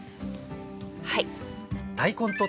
はい。